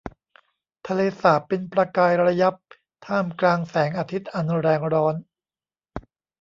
ทะเลสาบเป็นประกายระยับท่ามกลางแสงอาทิตย์อันแรงร้อน